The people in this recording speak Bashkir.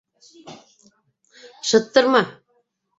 - Шыттырма!